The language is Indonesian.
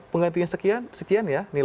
penggantinya sekian ya